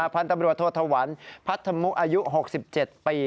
พันธุ์ตรรวจทวทวรรภพัทธมุอายุ๖๗ปี